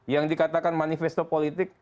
yang dikatakan manifesto politik